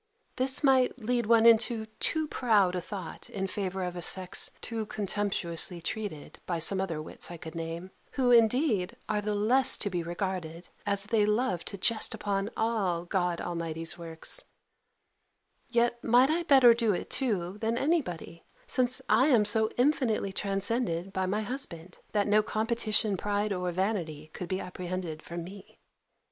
This might lead one into too proud a thought in favour of a sex too contemptuously treated by some other wits I could name, who, indeed, are the less to be regarded, as they love to jest upon all God Almighty's works: yet might I better do it, too, than anybody, since I am so infinitely transcended by my husband, that no competition, pride or vanity, could be apprehended from me.